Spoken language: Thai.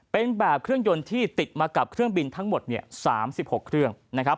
เป็นแบบเครื่องยนต์ที่ติดมากับเครื่องบินทั้งหมด๓๖เครื่องนะครับ